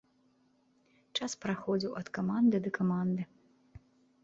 Час праходзіў ад каманды да каманды.